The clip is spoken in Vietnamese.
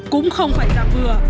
cũng không phải giảm vừa